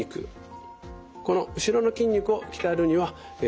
この後ろの筋肉を鍛えるにはえ